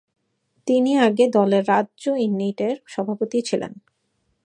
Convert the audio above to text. তিনি আগে দলের রাজ্য ইউনিটের সভাপতি ছিলেন।